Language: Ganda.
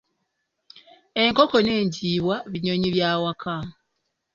Enkoko n'enjiibwa binyonyi by'awaka.